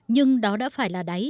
nhưng đó đã phải là đáy